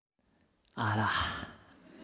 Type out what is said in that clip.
あら。